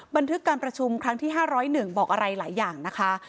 บันทึกการประชุมครั้งที่๕๐๑บอกอะไรหลายอย่างนะคะ